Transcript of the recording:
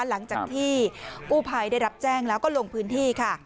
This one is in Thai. หลังจากที่กู้ภัยได้รับแจ้งแล้วก็ลงพื้นที่ค่ะ